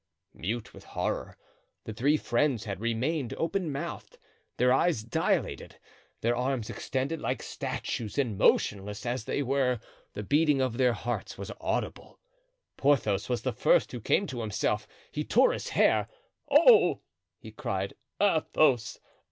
Mute with horror, the three friends had remained open mouthed, their eyes dilated, their arms extended like statues, and, motionless as they were, the beating of their hearts was audible. Porthos was the first who came to himself. He tore his hair. "Oh!" he cried, "Athos!